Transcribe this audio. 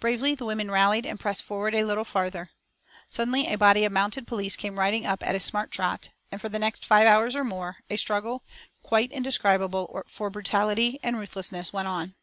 Bravely the women rallied and pressed forward a little farther. Suddenly a body of mounted police came riding up at a smart trot, and for the next five hours or more, a struggle, quite indescribable for brutality and ruthlessness, went on.